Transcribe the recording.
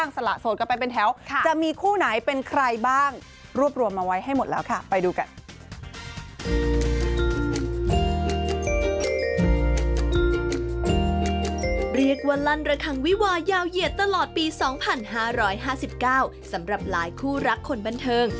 สำหรับหลายคู่รักคนบันเทิง